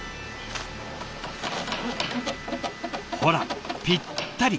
ほらぴったり！